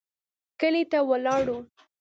کلي ته ولاړو.